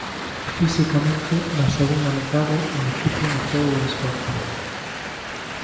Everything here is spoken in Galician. Fisicamente, na segunda metade, o equipo notou o esforzo.